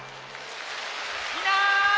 みんな！